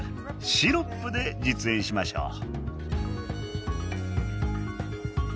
シロップで実演しましょう。